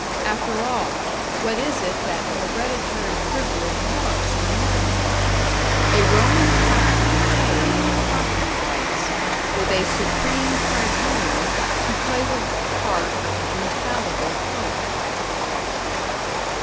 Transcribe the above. After all, what is it that Hereditary Privilege wants in America? A Roman Catholic code of property rights, with a supreme tribunal to play the part of an infallible Pope!